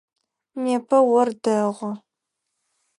Непэ ор дэгъу.